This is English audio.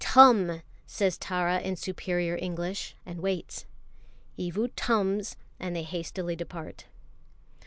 "Tum!" says Tara in superior English, and waits. Evu "tums," and they hastily depart.